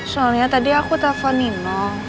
soalnya tadi aku telpon nino